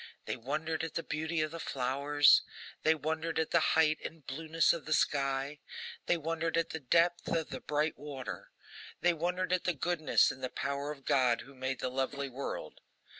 They wondered at the beauty of the flowers; they wondered at the height and blueness of the sky; they wondered at the depth of the bright water; they wondered at the goodness and the power of GOD who made the lovely world.